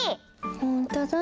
ほんとだ。